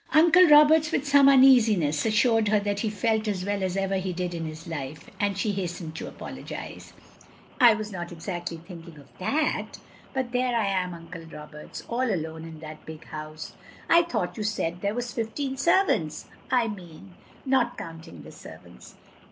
Uncle Roberts, with some uneasiness, assured her that he felt as well as ever he did in his life, and she hastened to apologise. " I was not exactly thinldng of that. But there I am. Uncle Roberts — all alone in that big house. "" I thought you said there was fifteen servants. " "I mean — ^not counting the servants."